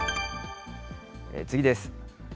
次です。